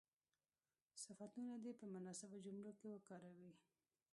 صفتونه دې په مناسبو جملو کې وکاروي.